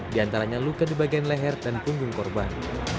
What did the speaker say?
di antaranya luka di bagian leher dan punggung korban